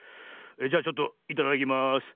じゃちょっといただきます。